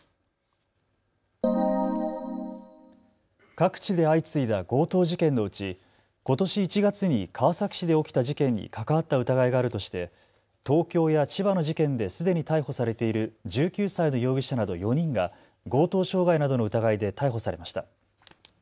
各地で相次いだ強盗事件のうちことし１月に川崎市で起きた事件に関わった疑いがあるとして東京や千葉の事件ですでに逮捕されている１９歳の容疑者など４人が強盗傷害などの疑いで逮捕されました。